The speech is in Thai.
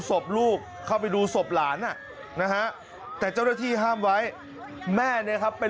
ศพลูกคำบัติดูศพหลานแต่เจ้าหน้าที่ห้ามไว้แม่ไป